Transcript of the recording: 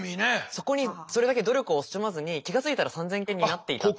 そこにそれだけ努力を惜しまずに気が付いたら３，０００件になっていたっていう。